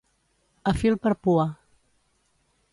A fil per pua.